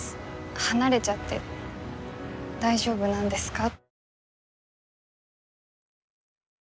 離れちゃって大丈夫なんですか。